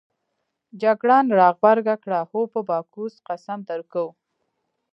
جګړن راغبرګه کړه: هو په باکوس قسم درکوو.